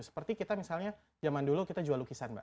seperti kita misalnya zaman dulu kita jual lukisan mbak